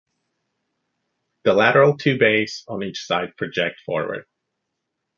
The lateral two bays on each side project forward.